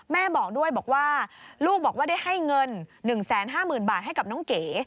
แม่บอกด้วยบอกว่าลูกบอกว่าได้ให้เงิน๑๕๐๐๐บาทให้กับน้องเก๋